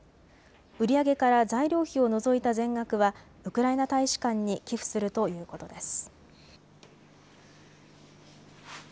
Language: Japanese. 売り上げから材料費を除いた全額はウクライナ大使館に寄付するということです。